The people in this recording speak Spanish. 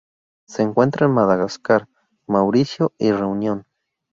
Se encuentra en Madagascar, Mauricio y Reunión.